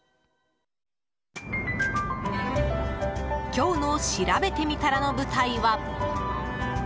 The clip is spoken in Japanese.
今日のしらべてみたらの舞台は。